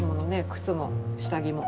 靴も下着も。